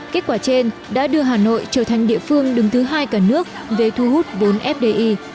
kết quả trên đã đưa hà nội trở thành địa phương đứng thứ hai cả nước về thu hút vốn fdi